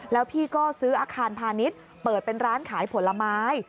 แล้วพี่ก็ซื้ออาคารพาณิชย์เปิดเป็นร้านขายผลไม้